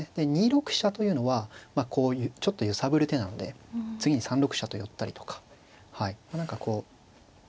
２六飛車というのはまあこうちょっと揺さぶる手なので次に３六飛車と寄ったりとか何かこう。